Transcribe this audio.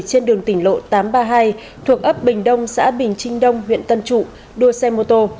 trên đường tỉnh lộ tám trăm ba mươi hai thuộc ấp bình đông xã bình trinh đông huyện tân trụ đua xe mô tô